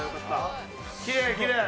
きれいきれい。